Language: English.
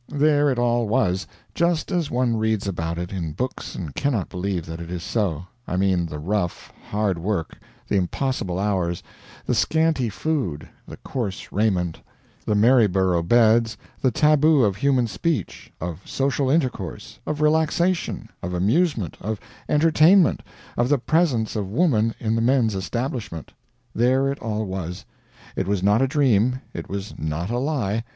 There it all was, just as one reads about it in books and cannot believe that it is so I mean the rough, hard work, the impossible hours, the scanty food, the coarse raiment, the Maryborough beds, the tabu of human speech, of social intercourse, of relaxation, of amusement, of entertainment, of the presence of woman in the men's establishment. There it all was. It was not a dream, it was not a lie.